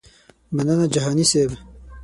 مننه جهاني صیب.